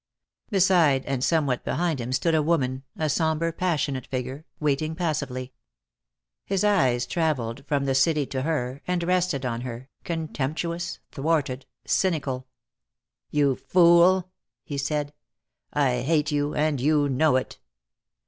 Beside and somewhat behind him stood a woman, a somber, passionate figure, waiting passively. His eyes traveled from the city to her, and rested on her, contemptuous, thwarted, cynical. "You fool," he said, "I hate you, and you know it."